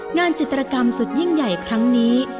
งานจิตรกรรมสุดยิ่งใหญ่ครั้งนี้